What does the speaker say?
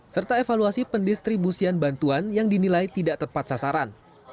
serta evaluasi pendistribusian bantuan yang dinilai tidak tepat sasaran